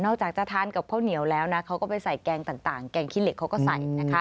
จากจะทานกับข้าวเหนียวแล้วนะเขาก็ไปใส่แกงต่างแกงขี้เหล็กเขาก็ใส่นะคะ